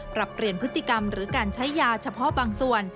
ปรับเปลี่ยนพฤติกรรมหรือการใช้ยาเฉพาะบางส่วน